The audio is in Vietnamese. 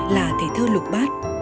là thể thơ lục bát